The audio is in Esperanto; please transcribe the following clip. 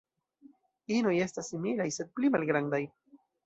Inoj estas similaj, sed pli malgrandaj.